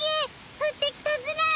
降ってきたズラ！